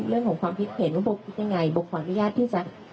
เรื่องของความคิดเห็นว่าโบคิดยังไงโบขออนุญาตที่จะ